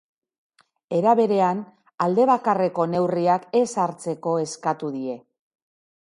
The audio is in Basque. Era berean, aldebakarreko neurriak ez hartzeko eskatu die.